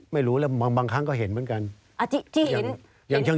ไม่รู้แล้วบางครั้งก็เห็นเหมือนกัน